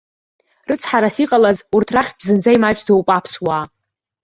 Рыцҳарас иҟалаз, урҭ рахьтә зынӡа имаҷӡоуп аԥсуаа.